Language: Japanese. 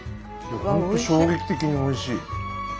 ほんと衝撃的においしい。